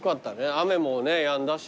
雨もねやんだし。